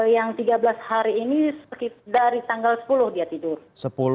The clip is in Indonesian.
yang tiga belas hari ini dari tanggal sepuluh dia tidur